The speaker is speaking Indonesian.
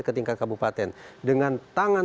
ke tingkat kabupaten dengan tangan